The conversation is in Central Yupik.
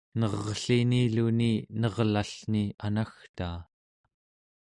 ner'lliniluni nerlall'ni anagtaa